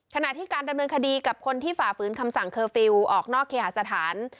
ขณะที่การดำเนินคดีกับคนที่ฝ่าฝืนคำสั่งเคอร์ฟิลล์ออกนอกเคหาสถาน